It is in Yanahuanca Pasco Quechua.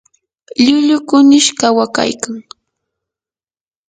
lllullu kunish kawakaykan.